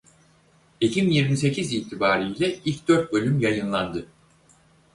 Ekim yirmi sekiz itibarıyla ilk dört bölüm yayınlandı.